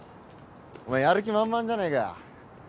お前やる気満々じゃねえか。